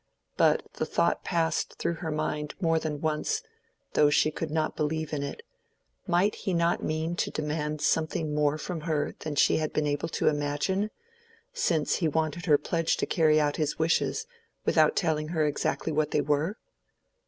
But—the thought passed through her mind more than once, though she could not believe in it—might he not mean to demand something more from her than she had been able to imagine, since he wanted her pledge to carry out his wishes without telling her exactly what they were?